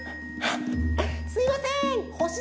すいませんほし